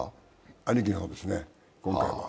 兄貴の方ですね、今回は。